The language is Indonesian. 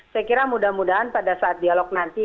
saya kira mudah mudahan pada saat dialog nanti